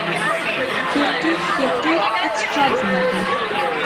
Tiqqit, tiqqit, ad teččaṛ tbaqit.